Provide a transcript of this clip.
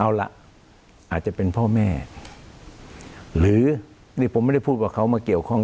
เอาล่ะอาจจะเป็นพ่อแม่หรือนี่ผมไม่ได้พูดว่าเขามาเกี่ยวข้อง